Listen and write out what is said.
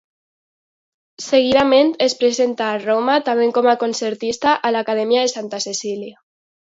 Seguidament es presenta a Roma, també com a concertista, a l'Acadèmia de Santa Cecília.